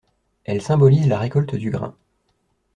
Elle symbolise la récolte du grain.